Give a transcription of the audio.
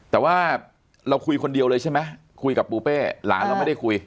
แต่ว่าเราคุยคนเดียวเลยใช่ไหมคุยกับปูเป้หลานเราไม่ได้คุย